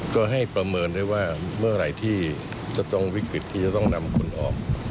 ก็ให้ประเมินได้ว่าเมื่อไหร่ที่จะต้องวิกฤตที่จะต้องนำคนออก